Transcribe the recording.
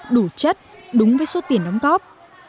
đủ chất đúng với số tiền đóng góp